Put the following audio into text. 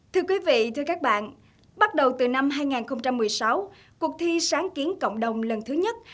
thưa quý vị thưa các bạn bắt đầu từ năm hai nghìn một mươi sáu cuộc thi sáng kiến cộng đồng lần thứ nhất